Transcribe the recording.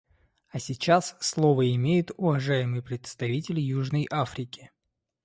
А сейчас слово имеет уважаемый представитель Южной Африки.